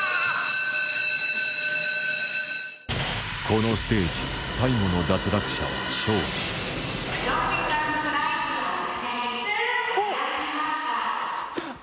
このステージ最後の脱落者は庄司あっ！